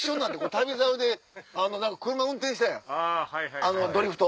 『旅猿』で車運転したやんドリフト。